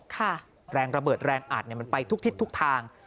ค่ะแรงระเบิดแรงอัดมันไปทุกทิศทุกทาง